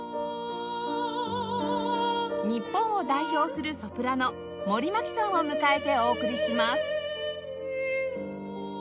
「Ａｖｅ」日本を代表するソプラノ森麻季さんを迎えてお送りします